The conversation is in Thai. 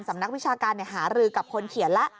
นักวิชาการหารือกับคนเขียนแล้ว